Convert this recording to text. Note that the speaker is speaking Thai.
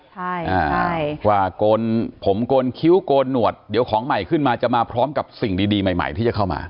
ใช่ว่าโกนผมโกนคิ้วโกนหนวดเดี๋ยวของใหม่ขึ้นมาจะมาพร้อมกับสิ่งดีใหม่ใหม่ที่จะเข้ามา